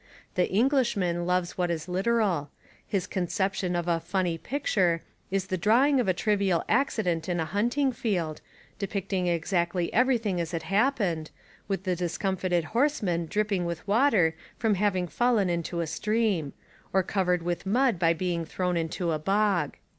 The Englishman loves what is literal. His conception of a "funny picture" is the draw ing of a trivial accident in a hunting field, de picting exactly everything as it happened, with the discomfited horseman dripping with water from having fallen into a stream; or covered with mud by being thrown into a bog.